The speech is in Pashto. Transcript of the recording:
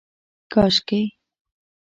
کاشکي